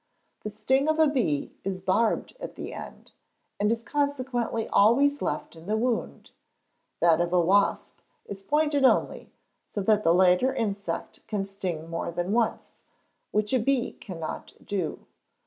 The sting of a bee is barbed at the end, and is consequently always left in the wound; that of a wasp is pointed only, so that the latter insect can sting more than once, which a bee cannot do.